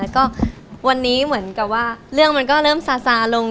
แล้วก็วันนี้เหมือนกับว่าเรื่องมันก็เริ่มซาซาลง